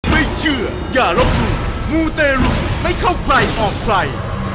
ไม่เชื่ออย่าลบหลู่มูเตรุไม่เข้าใครออกใคร